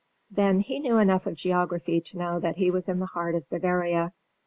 Then he knew enough of geography to know that he was in the heart of Bavaria.